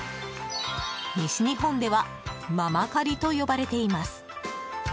西日本ではママカリと呼ばれています。